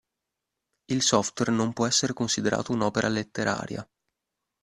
Il software non può essere considerato un'opera letteraria.